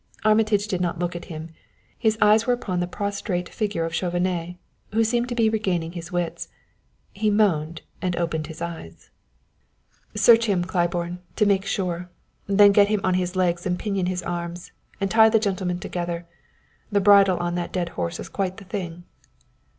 Armitage did not look at him; his eyes were upon the prostrate figure of Chauvenet, who seemed to be regaining his wits. He moaned and opened his eyes. "Search him, Claiborne, to make sure. Then get him on his legs and pinion his arms, and tie the gentlemen together. The bridle on that dead horse is quite the thing."